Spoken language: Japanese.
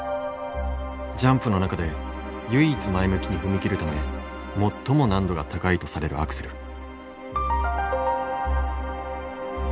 ジャンプの中で唯一前向きに踏み切るため最も難度が高いとされるアクセル。